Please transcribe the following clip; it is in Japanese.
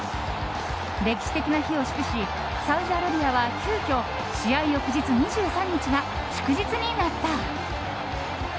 歴史的な日を祝しサウジアラビアは急きょ試合翌日２３日が祝日になった。